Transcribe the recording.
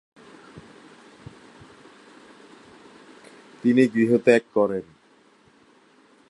তিনি গৃহত্যাগ করেন।